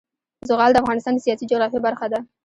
زغال د افغانستان د سیاسي جغرافیه برخه ده.